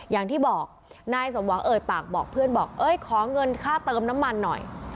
อย่างที่บอกนายสมหวังเอ่ยปากบอกเพื่อนบอกเอ้ยขอเงินค่าเติมน้ำมันหน่อย